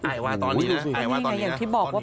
อันนี้ไงอย่างที่บอกว่า